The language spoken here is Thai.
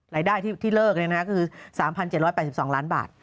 รายได้ที่เลิกคือ๓๗๘๒ล้านบาท